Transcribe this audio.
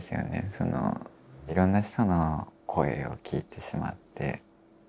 そのいろんな人の声を聞いてしまって。